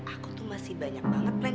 aku tuh masih banyak banget plan